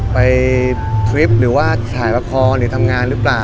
ทริปหรือว่าถ่ายละครหรือทำงานหรือเปล่า